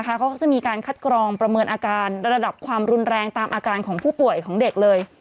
เขาก็จะมีการคัดกรองประเมินอาการระดับความรุนแรงตามอาการของผู้ป่วยของเด็กเลย